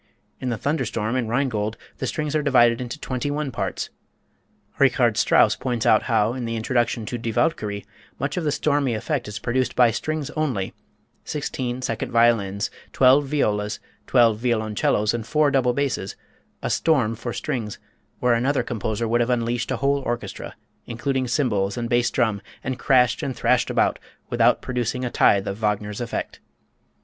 In the thunder storm in "Rheingold" the strings are divided into twenty one parts. Richard Strauss points out how in the introduction to "Die Walküre" much of the stormy effect is produced by strings only sixteen second violins, twelve violas, twelve violoncellos and four double basses a storm for strings where another composer would have unleashed a whole orchestra, including cymbals and bass drum, and crashed and thrashed about without producing a tithe of Wagner's effect!